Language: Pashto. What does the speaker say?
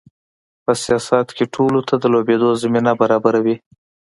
په سیاست کې ټولو ته د لوبېدو زمینه برابروي.